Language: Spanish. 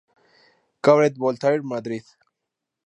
Cabaret Voltaire, Madrid.